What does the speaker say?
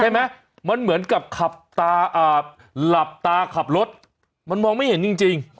ไหมมันเหมือนกับขับหลับตาขับรถมันมองไม่เห็นจริง